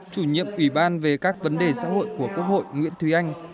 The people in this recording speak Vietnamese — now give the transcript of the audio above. chủ nhiệm ủy ban về các vấn đề xã hội của quốc hội nguyễn thúy anh